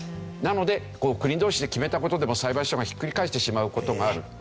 なので国同士で決めた事でも裁判所がひっくり返してしまう事がある。